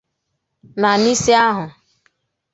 Na Nise ahụ